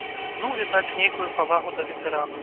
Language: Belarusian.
Ну, відаць, нейкую павагу да ветэранаў.